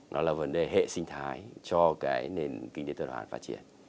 nó là vấn đề hệ sinh thái cho cái nền kinh tế tư đoàn phát triển